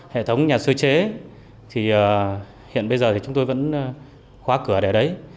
hệ thống nhà sơ chế thì hiện bây giờ thì chúng tôi vẫn khóa cửa để đấy